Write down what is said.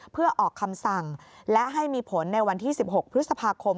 เพื่อออกคำสั่งและให้มีผลในวันที่๑๖พฤษภาคม